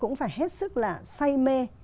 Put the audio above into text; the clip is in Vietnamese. cũng phải hết sức là say mê